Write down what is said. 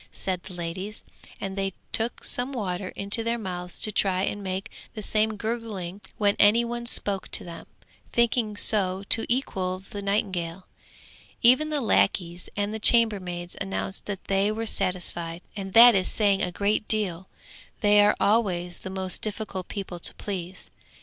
said the ladies, and they took some water into their mouths to try and make the same gurgling when any one spoke to them, thinking so to equal the nightingale. Even the lackeys and the chambermaids announced that they were satisfied, and that is saying a great deal; they are always the most difficult people to please.